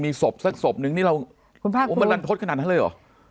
มีศพสักศพหนึ่งนี่เราคุณพระครูโอ้โหมันลันทดขนาดนั้นเลยเหรอ